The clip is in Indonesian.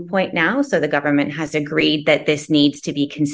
jadi pemerintah telah bersetuju bahwa ini harus dipertimbangkan